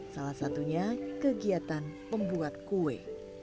salah satunya kegiatan membuat kue